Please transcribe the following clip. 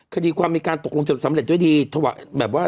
คดีความมีการตกลงจะสำเร็จด้วยดีแบบว่า